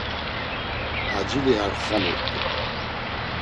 Acili ar xali rt̆u.